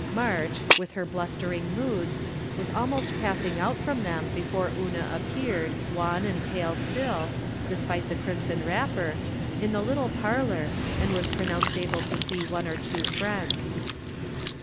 March, with her blus tering moods, was almost passing out from them before Una appeared, wan and pale still, despite the crimson wrapper, in the little parlor, and was pronounced able to see one or two friends.